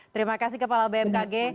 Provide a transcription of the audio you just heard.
terima kasih kepala bmkg